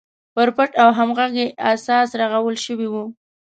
پر پټ او همغږي اساس رغول شوې وه.